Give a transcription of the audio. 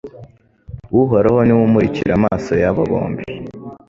Uhoraho ni we umurikira amaso yabo bombi